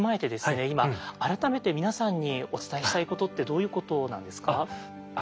今改めて皆さんにお伝えしたいことってどういうことなんですか？